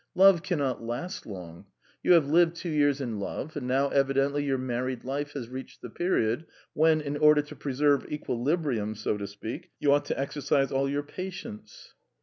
Love cannot last long. You have lived two years in love, and now evidently your married life has reached the period when, in order to preserve equilibrium, so to speak, you ought to exercise all your patience.